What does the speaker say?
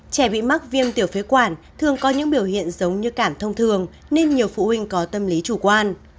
trẻ bị mắc viêm tiểu phế quản thường có những biểu hiện giống như cảm thông thường nên nhiều phụ huynh có tâm lý chủ quan